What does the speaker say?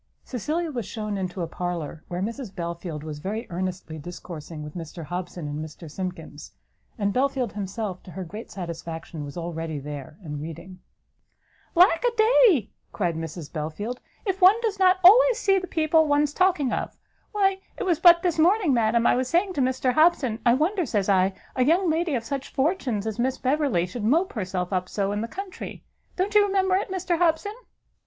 Cecilia was shewn into a parlour, where Mrs Belfield was very earnestly discoursing with Mr Hobson and Mr Simkins; and Belfield himself, to her great satisfaction, was already there, and reading. "Lack a day!" cried Mrs Belfield, "if one does not always see the people one's talking of! Why it was but this morning, madam, I was saying to Mr Hobson, I wonder, says I, a young lady of such fortunes as Miss Beverley should mope herself up so in the country! Don't you remember it, Mr Hobson?"